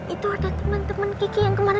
itu ada temen temen kiki yang kemana